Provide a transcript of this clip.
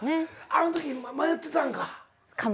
あっあの時迷ってたんか。